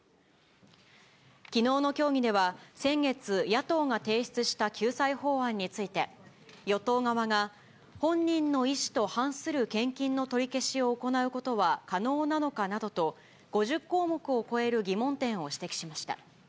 きのうの協議では、先月、野党が提出した救済法案について、与党側が、本人の意志と反する献金の取り消しを行うことは可能なのかなどと、５０項目を超える疑問点を指摘しました。